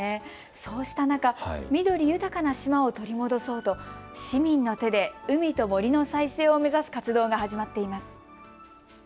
そうした中、緑豊かな島を取り戻そうと市民の手で海と森の再生を目指す活動が始まっています。